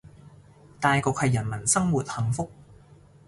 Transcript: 大局係人民生活幸福